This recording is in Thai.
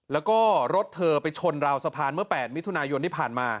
แล้วก็รถเธอไปชนราวสะพานเมื่อ๘มิถุนายนที่ผ่านมา